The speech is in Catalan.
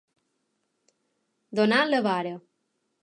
Donar la vara.